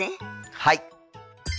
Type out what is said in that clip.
はい。